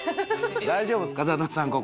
大丈夫ですか？